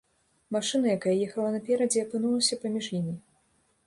Машына, якая ехала наперадзе, апынулася паміж імі.